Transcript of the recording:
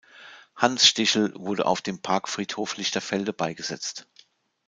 Hans Stichel wurde auf dem Parkfriedhof Lichterfelde beigesetzt.